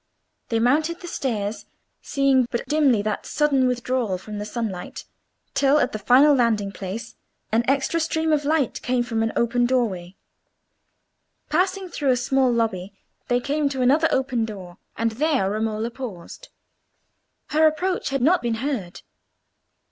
They mounted the stairs, seeing but dimly in that sudden withdrawal from the sunlight, till, at the final landing place, an extra stream of light came from an open doorway. Passing through a small lobby, they came to another open door, and there Romola paused. Her approach had not been heard.